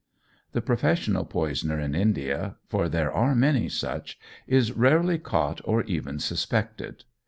The professional poisoner in India for there are many such is rarely caught or even suspected.